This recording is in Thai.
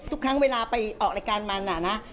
ทุกครั้งเวลาไปออกรายการมันอะนะ